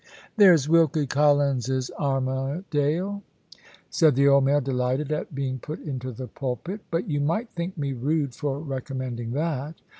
"There's Wilkie Collins's Armadale," said the old maid, delighted at being put into the pulpit; "but you may think me rude for recommending that."